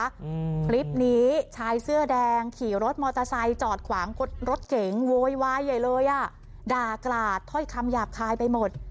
อืมคลิปนี้ชายเสื้อแดงขี่รถมอเตอร์ไซค์จอดขวางรถเก๋งโวยวายใหญ่เลยอ่ะด่ากราดถ้อยคำหยาบคายไปหมด